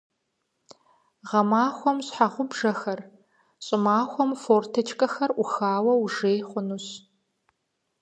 Гъэмахуэм щхьэгъубжэхэр, щӀымахуэм форточкэхэр Ӏухауэ ужей хъунущ.